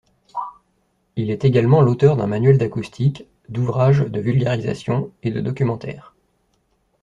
Il est également l'auteur d'un manuel d'acoustique, d'ouvrages de vulgarisation, et de documentaires.